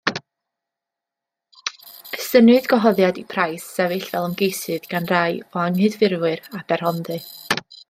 Estynnwyd gwahoddiad i Price sefyll fel ymgeisydd gan rai o anghydffurfwyr Aberhonddu.